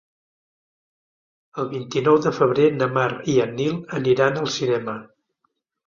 El vint-i-nou de febrer na Mar i en Nil aniran al cinema.